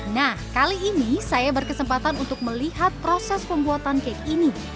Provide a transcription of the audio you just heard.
nah kali ini saya berkesempatan untuk melihat proses pembuatan cake ini